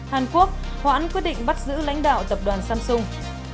hàn quốc hoãn quyết định bắt giữ lãnh đạo tập đoàn samsung